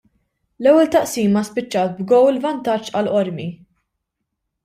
L-ewwel taqsima spiċċat b'gowl vantaġġ għal Qormi.